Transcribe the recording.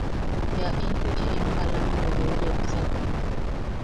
Bea intuchi in malammeu yeu yepsak...